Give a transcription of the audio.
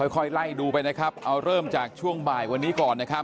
ค่อยไล่ดูไปนะครับเอาเริ่มจากช่วงบ่ายวันนี้ก่อนนะครับ